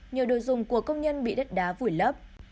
nhiều đồ dùng của công nhân bị đất đá vùi lấp